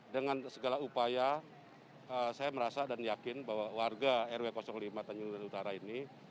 dengan segala upaya saya merasa dan yakin bahwa warga rw lima tanjung duren utara ini